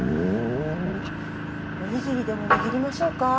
おにぎりでも握りましょうか？